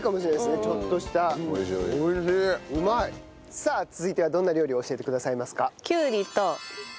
さあ続いてはどんな料理を教えてくださいますか？